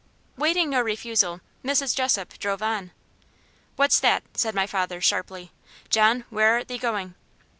Waiting no refusal, Mrs. Jessop drove on. "What's that?" said my father, sharply. "John, where art thee going?"